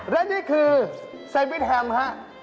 และนี่คือเซวิทแฮมฮะ